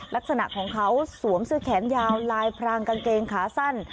ลักษณะของเขาสวมเสื้อแขนยาวลายพรางกางเกงขาสั้น